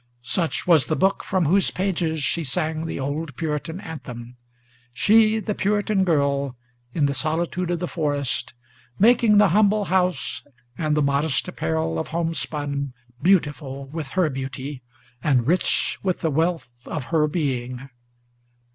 Such was the book from whose pages she sang the old Puritan anthem, She, the Puritan girl, in the solitude of the forest, Making the humble house and the modest apparel of home spun Beautiful with her beauty, and rich with the wealth of her being!